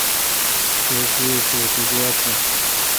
کھیش ی بو تو گوا توُن۔